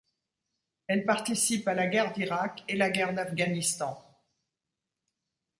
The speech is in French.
Elle participe à la guerre d'Irak et la guerre d'Afghanistan.